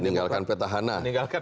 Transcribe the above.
meninggalkan peta ana